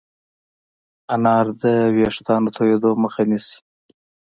انار د ويښتانو تویدو مخه نیسي.